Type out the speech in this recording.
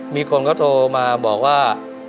มีคนเขาโทรมาบอกว่า